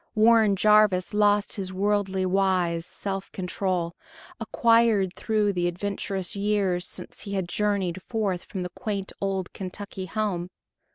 Warren Jarvis lost his worldly wise self control, acquired through the adventurous years since he had journeyed forth from the quaint old Kentucky home.